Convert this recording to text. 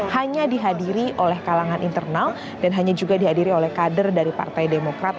hanya dihadiri oleh kalangan internal dan hanya juga dihadiri oleh kader dari partai demokrat